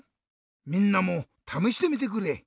みんなもためしてみてくれ。